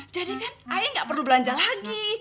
jadi kan ayah enggak perlu belanja lagi